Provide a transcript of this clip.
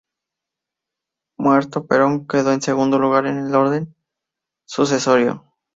Muerto Perón, quedó en segundo lugar en el orden sucesorio.